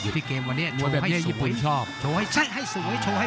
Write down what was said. หัวแบบนี้ญี่ปุ่นชอบ